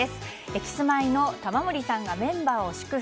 キスマイの玉森さんがメンバーを祝福。